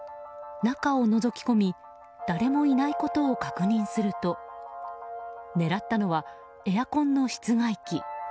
中をのぞき込み誰もいないことを確認すると狙ったのはエアコンの室外機。